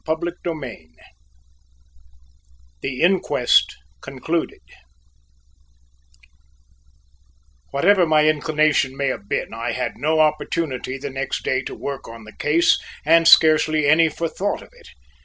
CHAPTER VI THE INQUEST CONCLUDED Whatever my inclination may have been, I had no opportunity the next day to work on the case and scarcely any for thought of it.